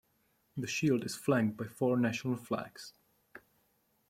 The shield is flanked by four national flags.